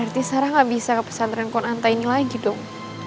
berarti sarah gak bisa ke pesantren kun'anta ini lagi dong